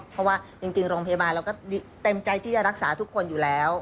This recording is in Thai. เพราะว่าจริงโรงพยาบาลเราก็เต็มใจที่จะรักษาทุกคนอยู่แล้ว